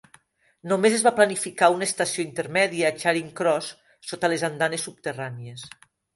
Només es va planificar una estació intermèdia, a Charing Cross, sota les andanes subterrànies.